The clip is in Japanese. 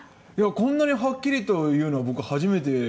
こんなにはっきりと言うのは僕初めて今聞きました。